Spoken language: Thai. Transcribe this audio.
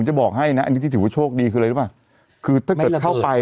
จะบอกให้นะอันนี้ที่ถือว่าโชคดีคืออะไรรู้ป่ะคือถ้าเกิดเข้าไป